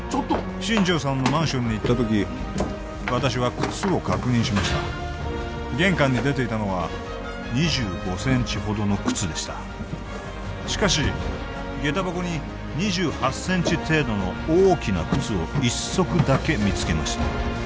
新城さんのマンションに行った時私は靴を確認しました玄関に出ていたのは２５センチほどの靴でしたしかしげた箱に２８センチ程度の大きな靴を一足だけ見つけました